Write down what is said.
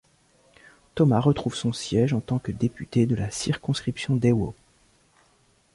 Thoma retrouve son siège en tant que député de la circonscription d'Aiwo.